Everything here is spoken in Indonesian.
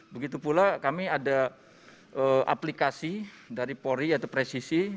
begitu pula kami ada aplikasi dari pori atau presisi